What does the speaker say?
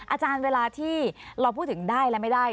อาจารย์เวลาที่เราพูดถึงได้และไม่ได้